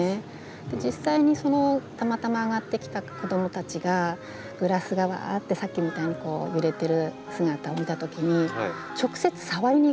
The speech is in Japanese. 実際にたまたま上がってきた子どもたちがグラスがうわってさっきみたいに揺れてる姿を見たときに直接触りに行くんですね。